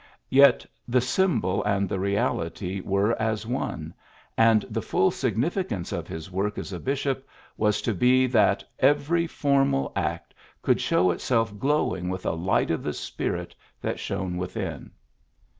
Yet the symbol and the reality were as one, and the full significance of his work as a bishop was to be that every formal act could show itself glowing with a light of the spirit that shone within.